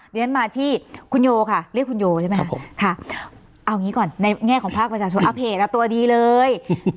เรียนมาที่คุณโยค่ะเรียกคุณโยใช่ไหมครับค่ะเอางี้ก่อนในแง่ของภาคประชาชนเอาเพจตัวดีเลย